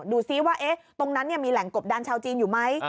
ดูซิว่าตรงนั้นมีแหล่งกบดันชาวจีนอยู่ไหม